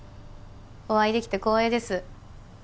お会いできて光栄です。